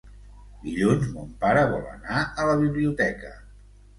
Dilluns mon pare vol anar a la biblioteca.